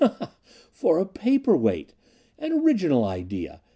"Ha, ha, ha, for a paper weight! An original idea!